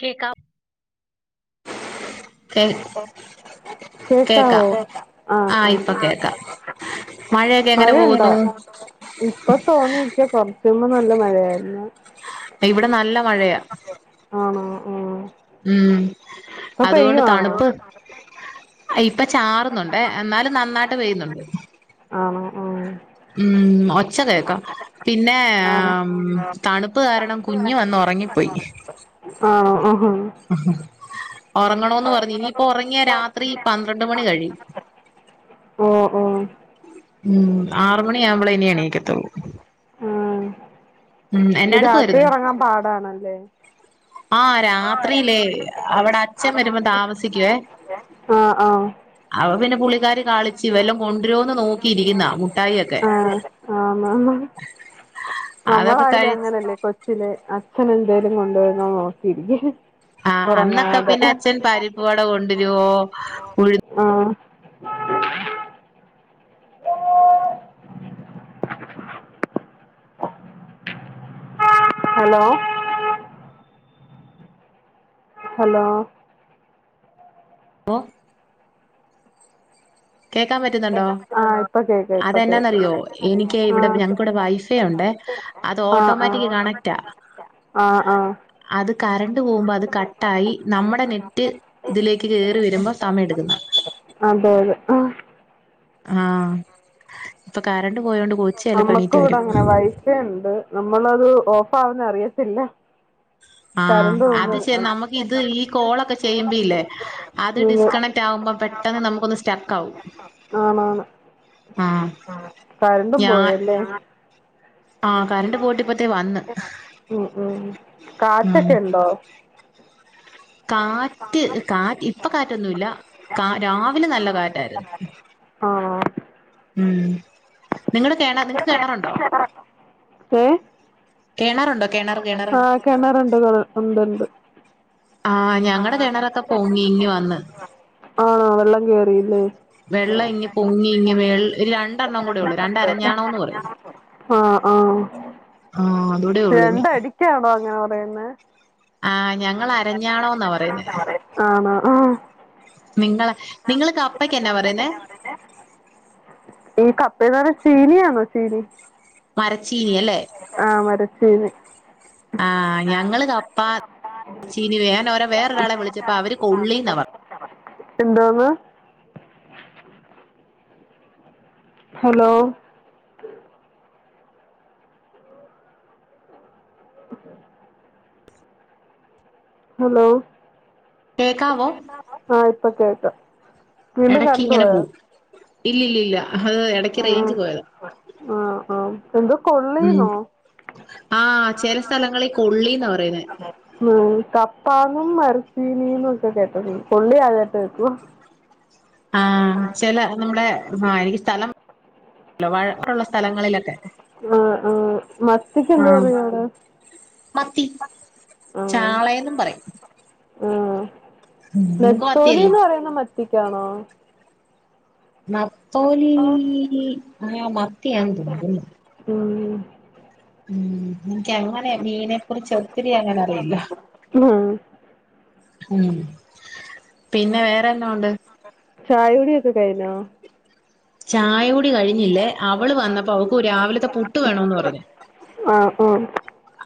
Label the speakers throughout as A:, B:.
A: കേക്കാം കേൾ കേൾക്കാ
B: കേക്കാവോ ആ ആ
A: ആഹ് ഇപ്പൊ
B: ആ
A: കേൾക്കാം മഴയൊക്കെ എങ്ങനെ
B: മഴയുണ്ടോ
A: പോകുന്നു?
B: ഇപ്പൊ തോർന്നിരിയ്ക്ക കൊർച്ച് മുമ്പ് നല്ല മഴയായിരുന്നു.
A: ഇവിടെ നല്ല മഴയാ
B: ആണോ ആഹ്.
A: ഉം, അതുകൊണ്ട്
B: പെയ്യുവാണോ
A: തണുപ്പ് ഇപ്പ ചാറുന്നുണ്ടേ എന്നാലും നന്നായിട്ട് പെയ്യുന്നുണ്ട്.
B: ആണോ, ഉം
A: ഉം, ഒച്ച കേക്ക പിന്നെ
B: ആണോ
A: ഏം തണുപ്പ് കാരണം കുഞ്ഞ് വന്ന് ഒറങ്ങിപ്പോയി.
B: ആണോ, ആഹാ ഹ്
A: ഒറങ്ങണോന്ന് പറഞ്ഞു ഇനിയിപ്പോ ഒറങ്ങിയാ രാത്രി പന്ത്രണ്ട് മണി കഴിയും [unintelligible]
B: ഓഹ്, ഓഹ്
A: ഉം, ആറ്മണിയാവുമ്പോളേനി എണീയ്ക്കത്തുള്ളു.
B: ആഹ്,
A: എന്നാ
B: [unintelligible] രാത്രി
A: എടുക്കുവായിരുന്നു
B: ഒറങ്ങാൻ പാടാണല്ലേ
A: ആഹ് രാത്രീല് അവടെ അച്ഛൻ വരുമ്പൊ താമസിക്കുവേ
B: ആ ആ
A: അവം പിന്നെ പുള്ളിക്കാരി കളി ച്ചി വല്ലൊം കൊണ്ടുരോന്ന് നോക്കിയിരിയ്ക്കുന്നാ മുഠായി ഒക്കെ
B: ആ ആണോ നമ്മളായാലും അങ്ങനെല്ലേ കൊച്ചില് അച്ഛനെന്തേലും കൊണ്ടുവരുന്നോ നോക്കിയിരിക്കും.
A: ആ അന്നൊക്കെ
B: ഉറങ്ങാതെ
A: പിന്നെ അച്ഛൻ പരിപ്പ് വട കൊണ്ടുവരുവോ ഉഴുന്നോ
B: ആഹ് ഹലോ ഹലോ?
A: ഓഹ് കേക്കാൻ പറ്റുന്ന്ണ്ടോ?
B: ആ ഇപ്പൊ കേക്ക ഇപ്പൊ കേക്ക
A: അതെന്നാന്നറിയോ എനിയ്ക്ക് ഇവിടെ ഞങ്ങക്കിവിടെ വൈഫേയുണ്ടേ അത് ഓട്ടോമാറ്റിക് കണക്ടാ
B: ആഹ്, ആഹ്
A: അത് കറണ്ട് പോകുമ്പോ അത് കട്ടായി നമ്മടെ നെറ്റ് ഇതിലേക്ക് കേറി വെരുമ്പോ സമയം എട്ക്ക്ന്നാ
B: അതെ, അതെ
A: ആഹ്, ഇപ്പൊ കറണ്ട് പോയോണ്ട് കൊച്ച് ചെലപ്പോ എണീറ്റ് വെരും
B: ക്കെന്ത് നമ്മളത് ഓഫ് ആവുന്ന അറിയത്തില്ല.
A: ആഹ്
B: കറണ്ട് പോകുമ്പോ
A: അത് പക്ഷെ നമുക്ക് ഇത് ഈ കോളൊക്കെ ചെയ്യുമ്പ ഇല്ലേ അത്
B: ഉം
A: ഡിസ് സ്കണക്റ്റാവുമ്പം പെട്ടെന്ന് നമുക്കൊന്ന് സ്റ്റക്കാവും.
B: ആണോന്ന് ആഹ് കരണ്ടും
A: ഞാൻ
B: പോയല്ലേ ആഹ്
A: ആഹ് കറണ്ട് പോയിട്ട് ഇപ്പത്തെ വന്ന്
B: ഉം ഉം
A: ഉം
B: കാറ്റൊക്കെ ഉണ്ടോ
A: കാറ്റ് കാറ്റ് ഇപ്പ കാറ്റൊന്നുല്ല കാ രാവിലെ നല്ല കാറ്റായിരുന്നു
B: ആഹ്
A: ഉം നിങ്ങള് കേണ നിങ്ങക്ക് കെണറുണ്ടോ
B: ഏ
A: കെണറുണ്ട്
B: ആഹ് കെണറുണ്ട് [unintelligible] ഉണ്ട്ണ്ട്
A: ആഹ് ഞങ്ങടെ കെണറെക്ക പൊങ്ങി ഇങ്ങ് വന്ന്
B: പൊങ്ങിപ്പോവാ ആണോ വെള്ളം കേറി ല്ലേ
A: വെള്ളം ഇങ്ങ് പൊങ്ങി ഇങ്ങ് വെൾ രണ്ടെണ്ണം കൂടെയൊള്ളു രണ്ട് അരഞ്ഞാണോന്ന് പറയും
B: ആഹ് ആഹ്
A: ആഹ് അതൂടെ ഉള്ളൂ ഇനി
B: രണ്ടടിക്കണോ അങ്ങനെ പറയുന്നേ
A: ആഹ് ഞങ്ങള് അരഞ്ഞാണോന്നാ പറയുന്നേ
B: ആണോ ആഹ്
A: നിങ്ങള നിങ്ങള് കപ്പക്ക് എന്നാ പറയുന്നെ
B: ഈ കപ്പേന്ന് പറഞ്ഞ ചീനിയാണോ ചീനി
A: മരച്ചീനി അല്ലേ
B: ആഹ് മരച്ചീനി
A: ആഹ് ഞങ്ങള് കപ്പ ചീനി വേനൊരു വേറൊരാളെ വിളിച്ചപ്പോ അവര് കൊള്ളീന്ന പ
B: എന്തോന്ന് ഹലോ ഹലോ
A: കേക്കാവോ
B: ആഹ് ഇപ്പൊ കേക്കാം വീണ്ടും
A: എടക്ക്
B: കറണ്ട്
A: ഇങ്ങനെ
B: പോയോ
A: പോവും ഇല്ലില്ലില്ല അത് എടക്ക്
B: ഉം.
A: റേയ്ഞ്ച് പോയതാ
B: ആ ആ എന്തോ കൊൾ
A: ഉം ആഹ് ചെല സ്ഥലങ്ങളി കൊള്ളീന്നാ പറയുന്നേ
B: ഉം കപ്പാന്നും മരച്ചീനീന്നും ഒക്കെ കേട്ടിട്ടുണ്ട് കൊള്ളി ആദ്യായിട്ട് കേക്കുവാ
A: ആഹ് ചെല നമ്മുടെ ആഹ് എനിക്ക് സ്ഥലം വഴക്ക്ള്ള സ്ഥലങ്ങളിലൊക്കെ
B: ആഹ് ആഹ് മത്തിക്ക്
A: ആ
B: എന്തൊ പറയും അവിടെ
A: മത്തി ചാളേന്നും പറയും
B: ആഹ്
A: നിങ്ങൾക്ക് മത്തിയല്ലേ
B: നെത്തോലീന്ന് പറയുന്ന മത്തിക്കാണോ
A: നത്തോലീ അത് മത്തിയാന്ന് തോന്നുന്നു
B: ഉം
A: ഉം എനിക്ക് അങ്ങനെ മീനെക്കുറിച്ച് ഒത്തിരി അങ്ങന അറിയില്ല
B: ഉം
A: ഉം പിന്നെ വേറെന്നാ ഒണ്ട്
B: ചായ കുടിയൊക്കെ കഴിഞ്ഞൊ
A: ചായ കുടി കഴിഞ്ഞില്ലേ അവള് വന്നപ്പ അവക്ക് രാവിലത്തെ പുട്ട് വേണമ്ന്ന് പറഞ്ഞു
B: ആഹ് ആഹ്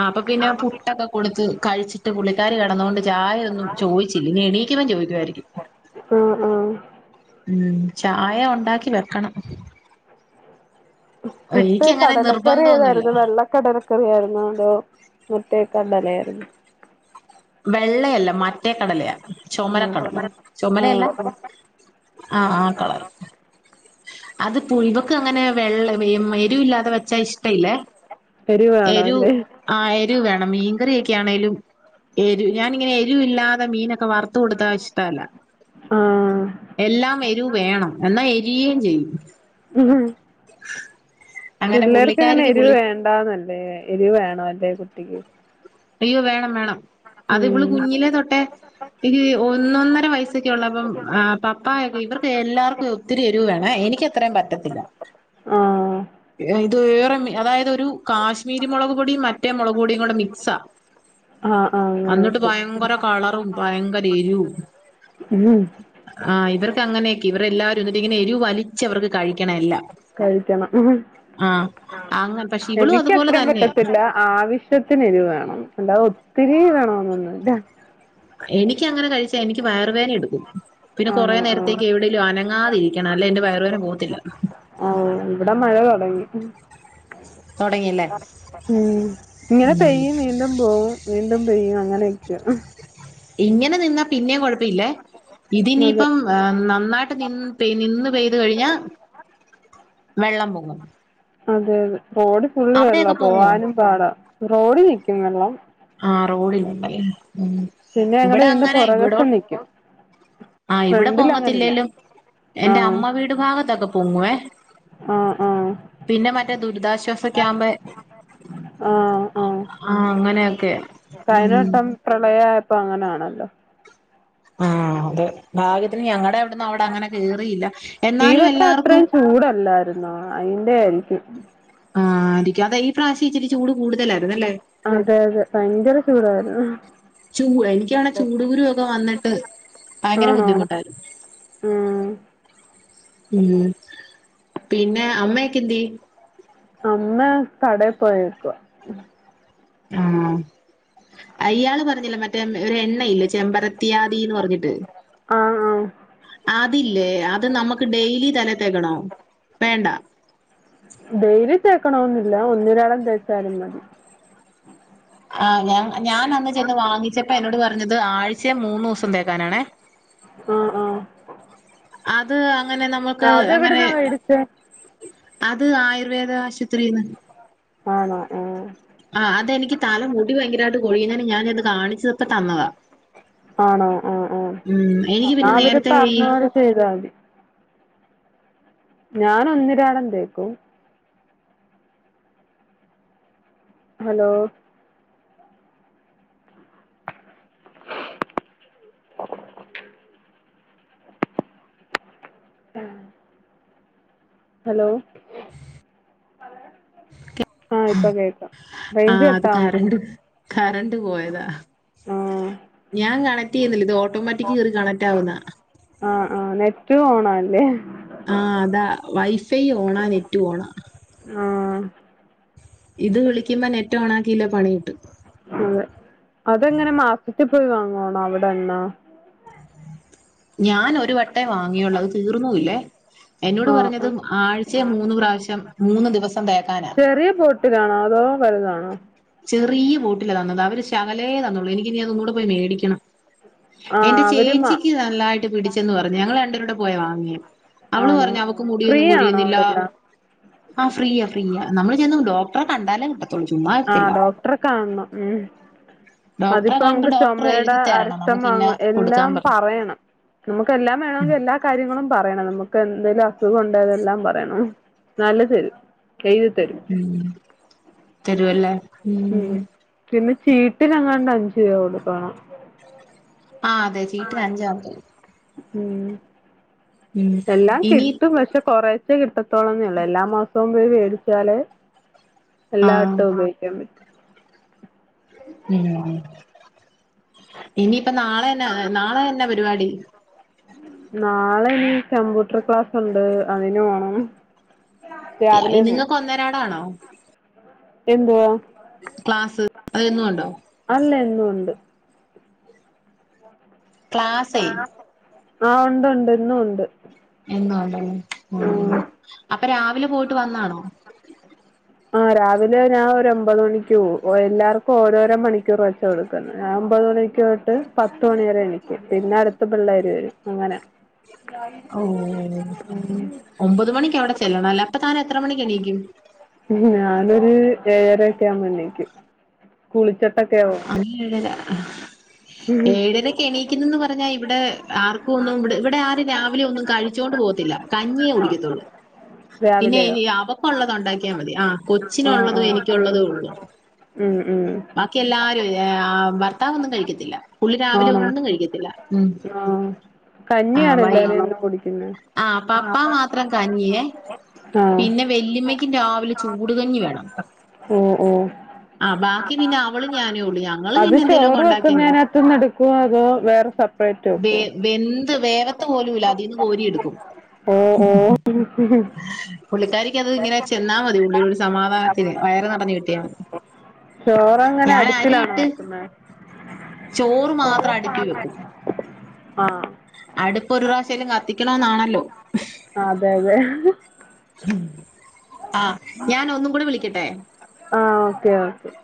A: ആഹ് അപ്പൊ പിന്നെ പുട്ടൊക്കെ കൊടുത്ത് കഴിച്ചിട്ട് പുള്ളിക്കാരി കെടന്നൊണ്ട് ചായയൊന്നും ചോയിച്ചില്ല ഇനി എണീക്കുമ്പ ചോയിക്കുവാരിക്കും
B: ആഹ് ആഹ്
A: മ്ഹ് ചായ ഒണ്ടാക്കി വെക്കണം
B: പുട്ട്
A: എനിക്കങ്ങനെ
B: കടലക്കറി
A: നിർബന്ധമൊന്നുമില്ല
B: ഏതാരുന്നു വെള്ള കടല കറിയായിരുന്നോ അതോ മറ്റേ കടല ആയിരുന്നോ
A: വെള്ളയല്ല മറ്റേ കടലയാ
B: ആഹ്
A: ചൊമരക്കടല
B: ആഹ്
A: ചുമരലയല്ല
B: ആഹ് ആഹ്
A: ആഹ് ആഹ് കളർ അത് പുൽവക്ക് അങ്ങനെ വെള്ള ഏരു ഇല്ലാതെ വെച്ചാ ഇഷ്ട ഇല്ലേ.
B: എരിവ് വേണം
A: എരു
B: അല്ലേ
A: ആ എരുവ് വേണം മീൻകറിയൊക്കെ ആണെലും എരു ഞാനിങ്ങനെ എരുവ് ഇല്ലാതെ മീനൊക്കെ വർത്ത കൊടുത്ത ഇഷ്ട്ടല്ല
B: ആഹ്
A: എല്ലാം എരു വേണം എന്നാൽ എ തിരിരും ചെയ്യും.
B: മ്മ്
A: [inaudible]
B: പിള്ളേർക്ക് അങ്ങനെ
A: പുള്ളിക്കാരിക്ക്
B: എരിവ്
A: പുള്ളി
B: വേണ്ടന്നല്ലേ എരിവ് വേണോല്ലേ കുട്ടിക്ക്.
A: അയ്യോ വേണം വേണം അത് ഇവാള്
B: ഉം
A: കുഞ്ഞിലെ തൊട്ടേ ഈ ഒന്നൊന്നര വയസ്സൊക്കെ ഉള്ള അപ്പം പപ്പായൊക്കെ ഇവർക്ക് എല്ലാർക്കും ഇത്തിരി എരുവ് വേണം എനിക്ക് അത്രേം പറ്റത്തില്ല.
B: ആഹ്
A: ഇത് വേറെ മീ അതായത് ഒരു കാശ്മീരി മുളക് പൊടിയും മറ്റേ മുളക് പൊടിയും കൂടെ മിക്സാ
B: ആഹ് ആഹ് അങ്ങനെ
A: എന്നട്ട് ഭയങ്കര കളറും
B: വെക്കും
A: ഭയങ്കര എരിവും.
B: ഉം
A: ആഹ് ഇവർക്ക് അങ്ങനെയൊക്കെ ഇവർ എല്ലാവാരും എന്നിട്ട് ഇങ്ങനെ എരുവ് വലിച്ച് അവർക്ക് കഴിക്കണം എല്ലാം.
B: കഴിക്കണം
A: ആ അങ്ങനെ പക്ഷെ ഇവളും
B: എനിക്കി
A: അതുപോലെ
B: എത്രയും
A: തന്നെയാ
B: പറ്റത്തില്ല. ആവശ്യത്തിന് എരുവ് വേണം എലണ്ട് ഒത്തിരി വേണെന്നൊന്നുല്ല.
A: എനിക്കി അങ്ങനെ കഴിച്ചാ എനിക്ക് വയർ വേദ ഇടുക്കും. പിന്നെ കുറെ
B: ആണോ ആ
A: നേരത്തേക്ക് എവിടെങ്കിലും അനങ്ങാതിരിക്കണം അല്ലെ എന്റെ വയർവേദന പോകത്തില്ല
B: ആഹ് ഇവിടെ മഴ തോടങ്ങി.
A: തുടങ്ങിയല്ലേ
B: മ്മ് ഇങ്ങനെ പെയ്യും വീണ്ടും പോവും. വീണ്ടും പെയ്യും അങ്ങനെയൊക്കെയ
A: ഇങ്ങനെ നിന്നാ പിന്നെമ് കുഴപ്പില്ലേ
B: അതെ അതെ
A: ഇതിനിയിപ്പം നന്നായിട്ട് നിന്ന് നിന്ന് പെയ്ത് കഴിഞ്ഞാ വെള്ളം പൊങ്ങും.
B: അതെ അതെ റോഡ് ഫുള്ള് വെള്ള
A: അവിടെയൊക്കെ പൊങ്ങുമോ
B: പോവാനും പാടാ റോഡ് നിൽക്കും വെള്ളം
A: ആഹ് റോഡ ഉണ്ടലല്ലേ മ്മ്
B: പിന്നെ ഞങ്ങടെ വീടിന്റെ പുറകഷം നിക്കും.
A: ആഹ് ഇവിടെ പോങ്ങത്തില്ലേലും
B: ആ
A: എന്റെ അമ്മ വീട് ഭാഗത്തൊക്കെ പോങ്ങുവേ.
B: ആഹ് ആഹ്
A: പിന്നെ മറ്റേ ദുരിതാശ്വാസ ക്യാബ്
B: ആഹ് ആഹ്
A: ആ അങ്ങനെയൊക്കെ
B: പ്രളയപ്പോ അങ്ങനൊണല്ലോ?
A: ആഹ് അതെ ഭാഗ്യത്തിന് ഞങ്ങടെ അവിടന്ന് അവിടെ അങ്ങനെ കേറിയില്ല എന്നാലും എല്ലാവർക്കും.
B: ആഹ് അയിന്റെ ആയിരിക്കും.
A: ആഹ് ആത്തിക്ക അതാ ഈ പ്രാവശ്യം ഇച്ചിരി ചൂട് കൂടുതലാ രുന്നല്ലേ?
B: അതെ അതെ ഭയങ്കര ചൂടായിരുന്നു.
A: ചൂ എനിക്ക് ആനകി ചൂട്ക്കുരു ഒക്കെ വന്നിട്ട് ഭയങ്കര
B: ആണോ
A: ബുദ്ധിമു [unintelligible]
B: ഉം
A: മ്മ് പിന്നെ അമ്മേക്കെ എന്തെ
B: അമ്മേ കാടെ പോയക്കുവ
A: ആഹ് അയാള് പറഞ്ഞില്ലെ മറ്റേ ഒരു എണ്ണയില്ലേ ചെമ്പരത്തിയാദിന്ന് പറഞ്ഞിട്ട്.
B: ആഹ് ആഹ്
A: അതില്ലേ അത് നമുക്ക് ഡെയിലി തലക്ക് തേക്കണേ വേണ്ട
B: ഡെയിലി തേക്കണന്നില്ല ഒന്നൊരാടം തേച്ചാലും മതി
A: ആഹ് ഞാൻ ഞാൻ അന്ന് ചെന്ന് വാങ്ങിച്ചപ്പോ എന്നോട് പറഞ്ഞത് ആഴ്ച മൂന്ന് ദിവസം തേക്കാനാണേ
B: ആഹ് ആഹ്
A: അത് അങ്ങനെ നമ്മക്ക് അങ്ങനെ
B: അതെവിടുന്നാ മേടിച്ചേ
A: അത് ആയുർവേദ ആശുപത്രിന്ന്
B: ആണോ ങ്
A: ആഹ് അതെനിക്ക് തല മുടി ഭയങ്കരമായിട്ട് കൊഴിയുന്നന് ഞാചെന്ന് കാണിച്ചപ്പ തന്നതാ
B: ആണോ ആഹ്
A: ഉം എനിക്ക്
B: ആഹ്
A: പിന്നെ
B: അവര്
A: നേരത്തെ ഈ
B: പറഞ്ഞപോലെ ചെയ്താൽ മതി ഞാൻ ഒന്നിരാടം തേക്കും ഹലോ ഹലോ ആഹ് ഇപ്പൊ കേക്കാം റേഞ്ച് കട്ടാവുന്നോ
A: കറണ്ട് പോയതാ
B: ആഹ്
A: ഞാൻ കണ റ്റ് ചെയ്യൂന്നില്ല ഇതില് ഓട്ടോമാറ്റിക്ക് കേറി കണക്റ്റ് ആവുന്ന
B: ആഹ് ആഹ് നെറ്റ് ഓണ അല്ലേ
A: ആഹ് അതാ വൈഫൈ ഓണാ നെറ്റും ഓണാ
B: ആഹ്
A: ഇത് വിളിക്കുമ്പോ നെറ്റ് ഒണാക്കില്ലേ പണി കിട്ടും
B: അതെ അതെങ്ങനെ മാസത്തിൽ പോയി വാങ്ങോണ അവിടെണ്ണ
A: ഞാൻ ഒരു വട്ടേ വാങ്ങിയോള് അത് തീർന്നൂല്ലേ എന്നോട്
B: ആഹ്
A: പറഞ്ഞത്
B: ആഹ്
A: ആഴ്ചെ മൂന്ന് പ്രാവശ്യം മൂന്ന് ദിവസം തേ
B: ചെറിയ ബോട്ടിലാണോ അതോ വലുതാണോ
A: ചെറിയ ബോട്ടില തന്നത് അവര് ശകലേ തന്നുള്ളു എനിക്കിനി അത് ഒന്നൂടെ പോയി മേടിക്കണം
B: ആഹ്
A: എന്റെ
B: അവര് മാ
A: ചേച്ചിക്ക് നല്ലായിട്ട് പിടിച്ചന്ന് പറഞ്ഞു ഞങ്ങള് രണ്ടൂ പേരൂടെ പോയ വാങ്ങിയേ അവള്
B: ആണോ
A: പറഞ്ഞു അവക്ക്
B: ഫ്രീ
A: മുടിയൊന്നും
B: ആണോ
A: കൊഴിയുന്നില്ല
B: അവിടെല്ലാം
A: ആഹ് ഫ്രീയ ഫ്രീയ നമ്മള് ചെന്ന് ഡോക്ടറെ കണ്ടാലേ കിട്ടത്തോള്ളൂ ചുമ്മാ എത്തില്ല
B: ടറെ കാണണം ഉം
A: ഡോക്ടറെ
B: അതിപ്പോ
A: കണ്ട്
B: നമുക്ക്
A: ഡോക്ടർ
B: ചൊമേടെ
A: എഴുതി തരണം
B: അരിഷ്ടം
A: നമുക്ക് ഇന്ന
B: വാങ്ങ
A: കൊടുക്കാൻ
B: എല്ലാം
A: പറഞ്ഞു
B: പറയണം നമുക്ക് എല്ലാം വേണോങ്കി എല്ലാ കാര്യങ്ങളും പറയണം നമുക്ക് എന്തേലും അസുഖം ഉണ്ട് അതെല്ലാം പറയണം എന്നാലേ തരു എഴുതി തരും
A: ഉം തരുവല്ലേ
B: ഉം പിന്നെ ചീട്ടിനങ്ങാണ്ട് അഞ്ചുരൂപ കൊടുക്കണം
A: ആഹ് ആതെ ചീട്ടിന് അഞ്ചാന്ന് തോനുന്നു
B: ഉം
A: ഉം
B: എല്ലാം
A: ഇനി
B: കിട്ടും പക്ഷെ കൊറേ ച്ചെ കിട്ടത്തോളെന്നെള്ളു എല്ലാ മാസവും പോയി മേടിച്ചാലേ
A: ആ
B: എല്ലാ വട്ടവും ഉപയോഗിക്കാൻ പ
A: ഉം ഇനിയിപ്പ നാളെ നാളെ എന്ന പരിപാടി
B: നാളെ ഇനി കമ്പ്യൂട്ടർ ക്ലാസ്സ് ഉണ്ട് അതിന്ന് പോണം രാവിലെ പോവും
A: നിങ്ങക്ക് ഒന്നരാടാണോ
B: എന്തുവാ
A: ക്ലാസ്സ് അതെന്നും ഉണ്ടോ
B: അല്ല എന്നും ഉണ്ട്
A: ക്ലാസ്സേ
B: ആഹ് ഉണ്ട് ഉണ്ട് ഇന്നും ഉണ്ട്
A: എന്നും ഉണ്ടല്ലേ ഉം അപ്പൊ രാവിലെ പോയി
B: ഇങ്ങോട്ട് വന്ന്
A: [inaudible]
B: ആഹ് രാവിലെ ഞാൻ ഒമ്പത് മണിക്കൂ പോവും എല്ലാവർക്കും ഓരോരോ മണിക്കൂർ വെച്ച് കൊടുക്കുന്നു ഞാൻ ഒമ്പത് മണി ക്ക് തൊട്ട് പത്തുമണി വരെ എനിക്ക് പിന്നെ അടുത്ത പിള്ളേര് വരും അങ്ങന
A: ഓഹ് ഒമ്പത് മണിക്ക അവിടെ ചെല്ലണംല്ലേ അപ്പൊ താന എത്ര മണിക്ക് എണീക്കും
B: ഞാനൊരു ഏഴരക്കെ ആകുമ്പോ എണീക്കും കുളിച്ചിട്ടൊക്കെ പോണേ
A: ര ഏഴരക്കെണീക്കുന്നന്ന് പറഞ്ഞാ ഇവിടെ ആർക്കും ഒന്നും ഇവിടെ ഇവിടെ ആരും രാവിലെ ഒന്നും കഴിച്ചോണ്ട് പോകത്തില്ല കഞ്ഞിയെ
B: ആഹ്
A: കുടിക്കത്തുള്ളൂ
B: രാവിലെയോ
A: പിന്നെനി അവ ള്ളത് ഒണ്ടാക്കിയാൽ മതി ആ
B: ആഹ്
A: കൊച്ചിനുള്ളതും
B: ആഹ്
A: എനിക്കുള്ളതും ഒള്ളു
B: ഉം ഉം
A: ബാക്കി എല്ലാരും ഭർത്താവ ഒന്നും കഴിക്കത്തില്ല പുള്ളി രാവിലെ
B: ആണോ
A: ഒന്നും കഴിക്കത്തില്ല ഉം
B: ആഹ് കഞ്ഞിയാണ് എല്ലാരും കുടിക്കുന്നേ
A: ആഹ് പപ്പാ മാത്രം കഞ്ഞിയേ
B: ആഹ്
A: പിന്നെ വെല്ലിമ്മക്കും രാവിലെ ചൂടുകഞ്ഞി വേണം
B: ഉം ഉം
A: ആഹ് ബാക്കി പിന്നെ അവളും ഞാനു കൂടിയ
B: അത് ചോറ് വെക്കുന്നതിനകത്ത് നിന്ന് എടുക്കുവോ അതോ വേറെ സെപ്പറേറ്റ് വെക്കോ
A: വേ- വെന്ത് വേവത്ത് പോലുംല്ല അതിൽന്ന് കോരിയെടുക്കും
B: ഓഹ് ഓഹ്
A: പുള്ളിക്കാരിക്ക് അത് ഇങ്ങനെ ചെന്നാ മതി പുള്ളിയൊരു സമാധാനത്തിന് വയറ് നിറഞ്ഞ് കിട്ടിയാൽ മതി
B: ചോറ് എങ്ങനെ
A: ഞാൻ
B: അടുപ്പിലാണോ
A: അരിയിട്ട്
B: വെക്കുന്നത്
A: ചോറ് മാത്രം അടുപ്പി വെക്കും
B: ആഹ്
A: അടുപ്പൊരു പ്രാവശ്യാലും കത്തിക്കണന്നാണല്ലോ
B: അതെ അതെ
A: ആഹ് ഞാൻ ഒന്നും കൂടെ വിളിക്കട്ടെ
B: ആഹ് ഓക്കെ ഓക്കേ